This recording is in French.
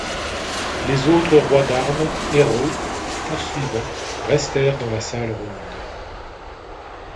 Les autres rois d’armes, hérauts, poursuivants, restèrent dans la salle ronde.